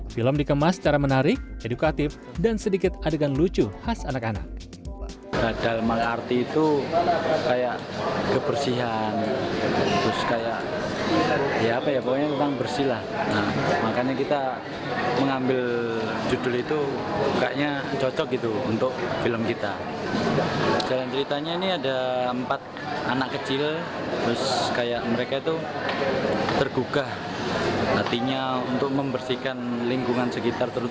film dikemas secara menarik edukatif dan sedikit adegan lucu khas anak anak